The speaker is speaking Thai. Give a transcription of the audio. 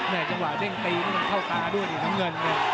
จังหวะเด้งตีนี่มันเข้าตาด้วยดิน้ำเงินนี่